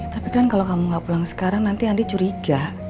tapi kan kalau kamu gak pulang sekarang nanti andi curiga